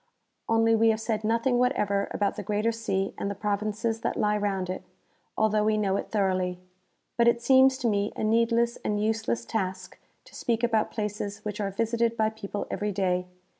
Only we have said nothing whatever about the Ctrkatkr Sea and the pro vinces that lie round it, although we know it thoroughly. But it seems to me a needless and useless task to speak about places which are visited by people every day.